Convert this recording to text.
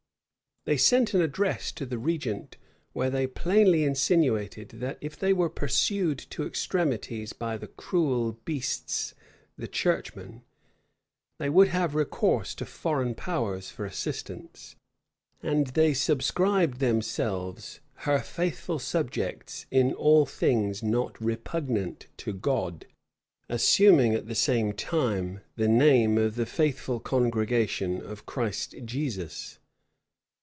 They sent an address to the regent, where they plainly insinuated, that if they were pursued to extremities by the "cruel beasts" the churchmen, they would have recourse to foreign powers for assistance; and they subscribed themselves her faithful subjects in all things not repugnant to God, assuming, at the same time, the name of the faithful congregation of Christ Jesus.